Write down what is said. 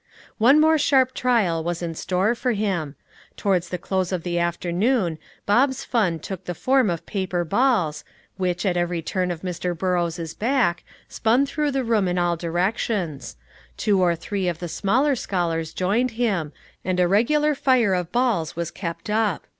One more sharp trial was in store for him. Towards the close of the afternoon Bob's fun took the form of paper balls, which, at every turn of Mr. Burrows's back, spun through the room in all directions; two or three of the smaller scholars joined him, and a regular fire of balls was kept up.